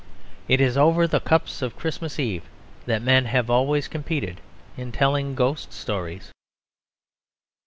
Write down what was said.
It is over the cups of Christmas Eve that men have always competed in telling ghost stories.